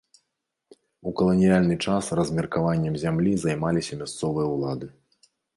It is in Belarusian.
У каланіяльны час размеркаваннем зямлі займаліся мясцовыя ўлады.